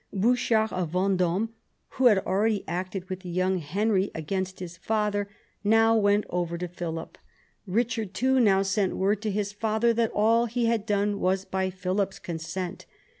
Buchard of Vend6me, who had already acted with the young Henry against his father, now went over to Philip. Eichard too now sent word to his father that all he had done was by Philip's consent.